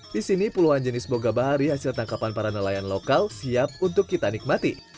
disini puluhan jenis bogabahari hasil tangkapan para nelayan lokal siap untuk kita nikmati